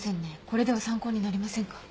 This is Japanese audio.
これでは参考になりませんか？